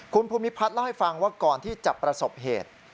คุณภูมิพัฒน์เล่าให้ฟังว่าก่อนที่จะประสบเหตุ